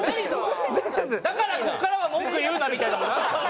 だからここからは文句言うなみたいなのなんすか？